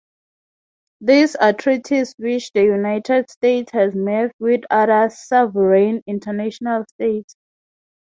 These are treaties which the United States has made with other sovereign international states.